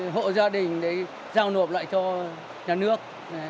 hộ gia đình giao nộp lại cho nhà nước